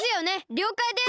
りょうかいです！